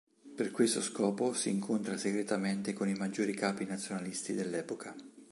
Per questo scopo si incontra segretamente con i maggiori capi nazionalisti dell'epoca.